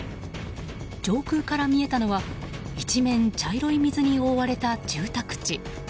上空から見えたのは一面茶色い水に覆われた住宅地。